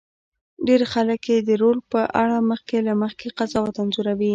ډېر خلک یې د رول په اړه مخکې له مخکې قضاوت انځوروي.